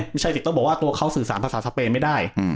ผู้ชายจิตต้องบอกว่าตัวเขาสื่อสารภาษาสเปนไม่ได้